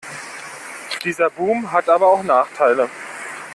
Dieser Boom hat aber auch Nachteile.